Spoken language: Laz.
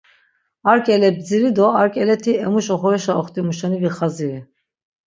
Ar ǩele btziri do ar ǩeleti emuş oxorişa oxtimu şeni vixaziri.